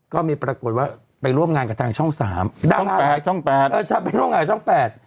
ก็มีปรากฏว่าไปร่วมงานกับทางช่องสามดังช่องแปดช่องแปดเออฉันไปร่วมงานช่องแปด